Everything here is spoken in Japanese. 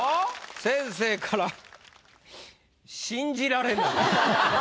先生から「信じられない！」。